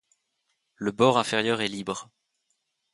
Le bord inférieur est libre.